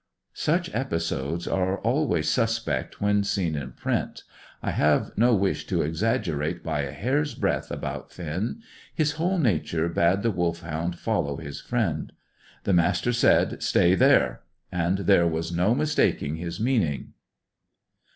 Such episodes are always suspect when seen in print. I have no wish to exaggerate by a hair's breadth about Finn. His whole nature bade the Wolfhound follow his friend. The Master said, "Stay there!" And there was no mistaking his meaning.